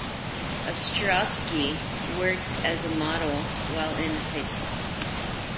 Ostrosky worked as a model while in high school.